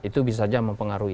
itu bisa saja mempengaruhi